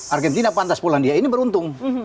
argentina pantas polandia ini beruntung